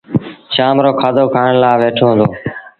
شآم رو کآڌو کآڻ لآ ويٺو هُݩدو